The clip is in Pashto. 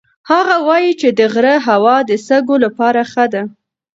هغه وایي چې د غره هوا د سږو لپاره ښه ده.